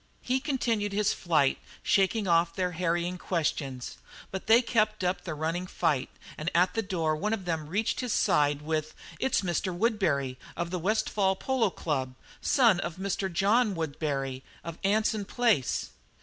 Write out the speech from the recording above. He continued his flight shaking off their harrying questions, but they kept up the running fight and at the door one of them reached his side with: "It's Mr. Woodbury of the Westfall Polo Club, son of Mr. John Woodbury of Anson Place?"